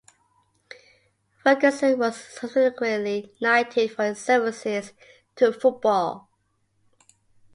Ferguson was subsequently knighted for his services to football.